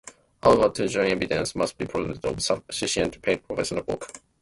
However, to join, evidence must be provided of sufficient paid professional work.